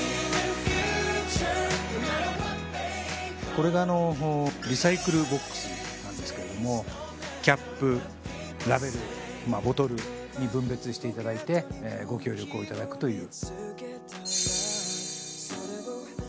これがリサイクルボックスなんですけれどもキャップ、ラベル、ボトルに分別していただいてご協力をいただくという。